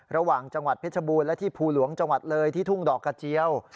ระหว่างจังหวัดเพชรบูรณ์และที่ภูหลวงจังหวัดเลยที่ทุ่งดอกกระเจียว